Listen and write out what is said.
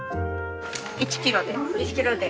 １キロで。